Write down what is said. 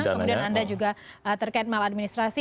kemudian anda juga terkait maladministrasi